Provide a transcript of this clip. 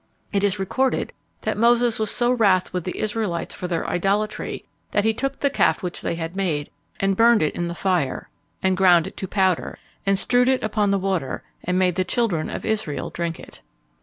It is recorded, that Moses was so wrath with the Israelites for their idolatry, "that he took the calf which they had made, and burned it in the fire, and ground it to powder, and strewed it upon the water, and made the children of Israel drink of it."